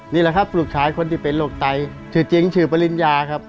นี่แหละครับลูกชายคนที่เป็นโรคไตชื่อจริงชื่อปริญญาครับ